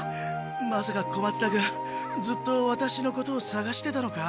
まさか小松田君ずっとワタシのことさがしてたのか？